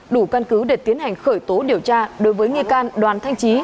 đủ căn cứ để tiến hành khởi tố điều tra đối với nghi can đoàn thanh trí